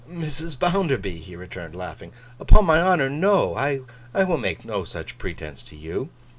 'Mrs. Bounderby,' he returned, laughing, 'upon my honour, no. I will make no such pretence to you.